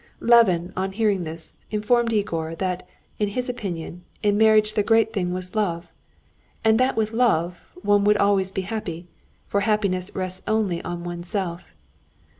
Levin, on hearing this, informed Yegor that, in his opinion, in marriage the great thing was love, and that with love one would always be happy, for happiness rests only on oneself.